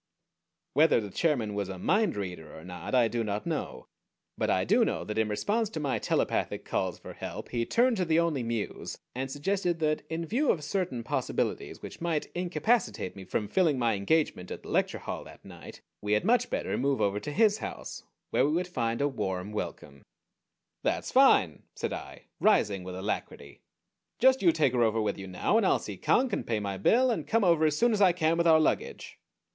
'" Whether the chairman was a mind reader or not I do not know; but I do know that in response to my telepathic calls for help he turned to the Only Muse and suggested that in view of certain possibilities which might incapacitate me from filling my engagement at the lecture hall that night we had much better move over to his house, where we would find a warm welcome. "That's fine!" said I, rising with alacrity. "Just you take her over with you now, and I'll see Conk, and pay my bill, and come over as soon as I can with our luggage."